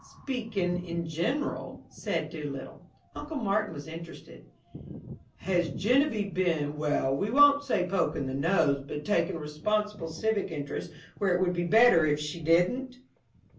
"Speakin' in general," said Doolittle. Uncle Martin was interested. "Has Genevieve been well, we won't say poking the nose but taking a responsible civic interest where it would be better if she didn't?"